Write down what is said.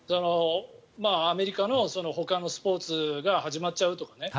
アメリカのほかのスポーツが始まっちゃうとかね。